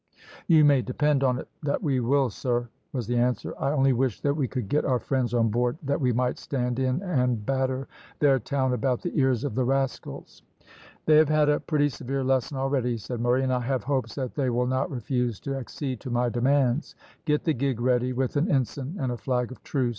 "You may depend on it that we will, sir," was the answer. "I only wish that we could get our friends on board, that we might stand in and batter their town about the ears of the rascals." "They have had a pretty severe lesson already," said Murray, "and I have hopes that they will not refuse to accede to my demands. Get the gig ready, with an ensign and a flag of truce.